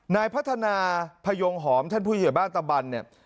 นายพัฒนาพยงหอมท่านผู้ใหญ่บ้านตะบันเนี่ย